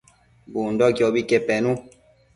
Bundoquiobi que penu